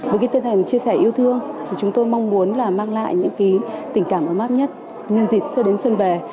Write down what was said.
với cái tên này là chia sẻ yêu thương chúng tôi mong muốn là mang lại những tình cảm ấm áp nhất nhân dịp cho đến xuân về